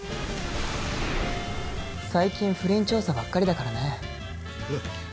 最近不倫調査ばっかりだからね。